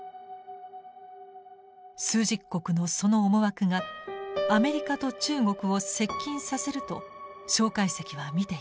枢軸国のその思惑がアメリカと中国を接近させると介石は見ていたのです。